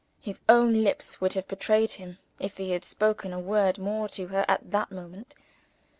His own lips would have betrayed him, if he had spoken a word more to her at that moment.